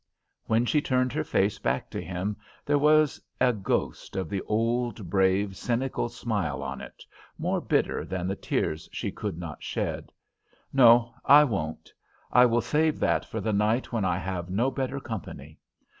When she turned her face back to him there was a ghost of the old, brave, cynical smile on it, more bitter than the tears she could not shed. "No, I won't; I will save that for the night, when I have no better company.